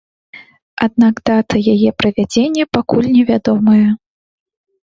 Аднак дата яе правядзення пакуль невядомая.